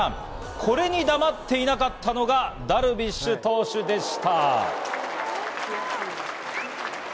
これに黙っていなかったのがダルビッシュ投手でした。